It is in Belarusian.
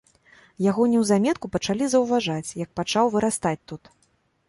Яго неўзаметку пачалі заўважаць, як пачаў вырастаць тут.